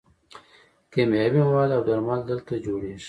کیمیاوي مواد او درمل دلته جوړیږي.